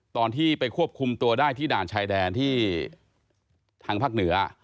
ตอนที่ไปควบคุมตัวได้ที่ด่านชายแดนที่ทางภาคเหนือ